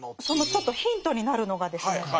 そのちょっとヒントになるのがですね